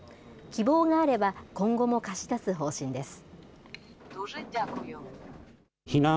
希望があれば、今後も貸し出す方針です。